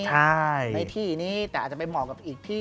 ใช่ในที่นี้แต่อาจจะไปเหมาะกับอีกที่